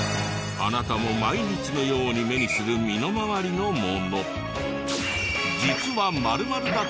あなたも毎日のように目にする身の回りのもの。